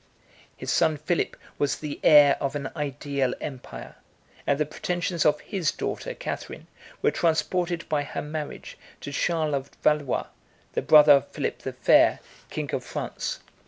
His son Philip was the heir of an ideal empire; and the pretensions of his daughter Catherine were transported by her marriage to Charles of Valois, the brother of Philip the Fair, king of France.